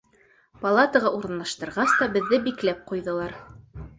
Палатаға урынлаштырғас та беҙҙе бикләп ҡуйҙылар.